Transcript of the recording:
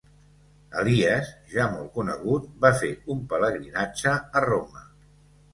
Elies, ja molt conegut, va fer un pelegrinatge a Roma.